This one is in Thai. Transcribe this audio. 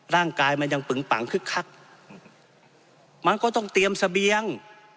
ร่างกายมันยังปึงปังคึกคักมันก็ต้องเตรียมเสบียง